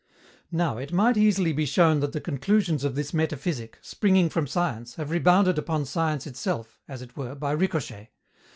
Now, it might easily be shown that the conclusions of this metaphysic, springing from science, have rebounded upon science itself, as it were, by ricochet.